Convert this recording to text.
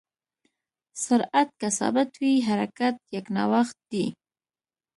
سرعت که ثابت وي، حرکت یکنواخت دی.